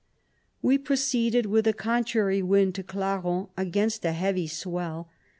131 We proceeded with a contrary wind to Clarens, against a heavj r swell.